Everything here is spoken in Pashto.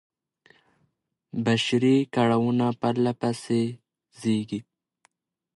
بشري کړاوونه پرله پسې زېږي.